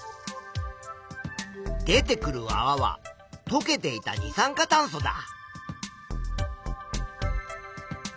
出てくるあわはとけていた二酸化炭素だ。